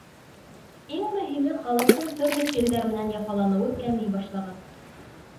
Иң мөһиме — халыҡтың төрлө сирҙәр менән яфаланыуы кәмей башлаған.